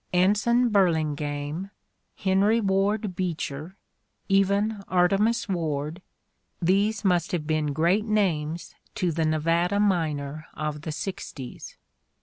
Anson Burlingame, Henry "Ward Beecher, even Artemus Ward — these must have been great names to the Nevada miner of the sixties.